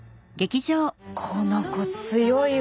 この子強いわ。